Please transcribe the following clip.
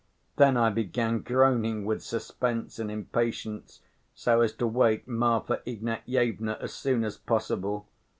Then I began groaning with suspense and impatience, so as to wake Marfa Ignatyevna as soon as possible.